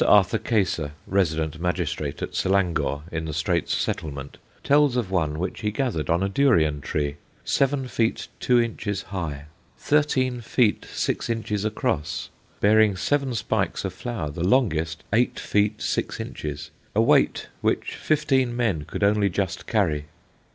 Arthur Keyser, Resident Magistrate at Selangor, in the Straits Settlement, tells of one which he gathered on a Durian tree, seven feet two inches high, thirteen feet six inches across, bearing seven spikes of flower, the longest eight feet six inches a weight which fifteen men could only just carry.